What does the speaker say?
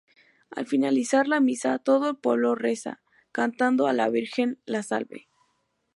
Al finalizar la misa, todo el pueblo reza, cantando, a la virgen La Salve.